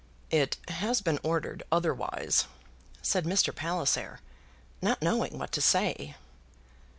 "It has been ordered otherwise," said Mr. Palliser, not knowing what to say.